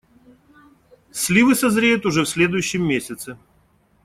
Сливы созреют уже в следующем месяце.